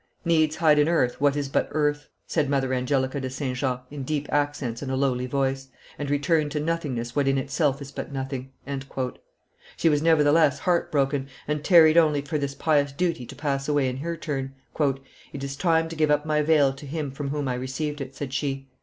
"Needs hide in earth what is but earth," said Mother Angelica de St. Jean, in deep accents and a lowly voice, "and return to nothingness what in itself is but nothing." She was, nevertheless, heart broken, and tarried only for this pious duty to pass away in her turn. "It is time to give up my veil to him from whom I received it," said she.